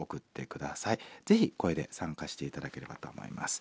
ぜひ声で参加して頂ければと思います。